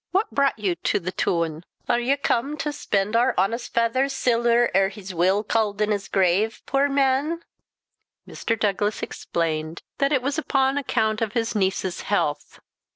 "What brought you to the toon? Are ye come to spend our honest faither's siller ere he's weel cauld in his grave, puir man?" Mr. Douglas explained that it was upon account of his niece's health.